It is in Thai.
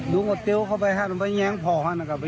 เริ่มต้นก้แก่หายไปอย่างไรครับ